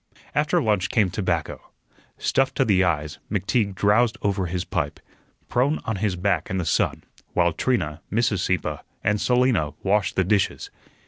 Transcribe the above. After lunch came tobacco. Stuffed to the eyes, McTeague drowsed over his pipe, prone on his back in the sun, while Trina, Mrs. Sieppe, and Selina washed the dishes.